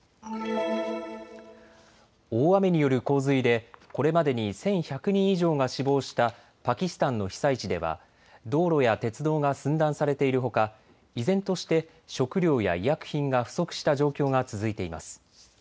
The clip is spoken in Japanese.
大雨による洪水でこれまでに１１００人以上が死亡したパキスタンの被災地では道路や鉄道が寸断されているほか依然として食料や医薬品が不足した状況が続いています。